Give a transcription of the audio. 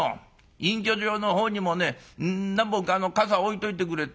隠居所のほうにもね何本か傘置いといてくれって。